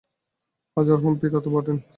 হাজার হউন, পিতা তো বটেন।